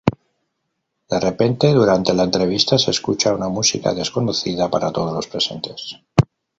De repente, durante la entrevista, se escucha una música desconocida para todos los presentes.